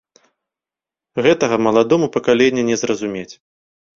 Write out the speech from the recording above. Гэтага маладому пакаленню не зразумець.